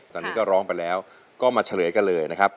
ตอนนี้ก็ร้องไปแล้วก็มาเฉลยกันเลยนะครับ